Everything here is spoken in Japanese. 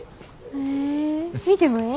へえ見てもええ？